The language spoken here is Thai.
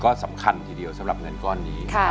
ก็สำคัญทีเดียวสำหรับเงินก้อนนี้